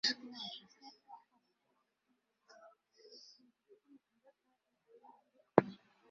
Tom yari muri bisi